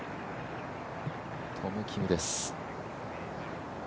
トム・キムです。